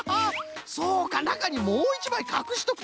そうかなかにもういちまいかくしとくとはな。